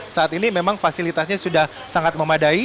saat ini memang fasilitasnya sudah sangat memadai